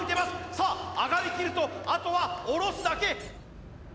さあ上がりきるとあとは下ろすだけ！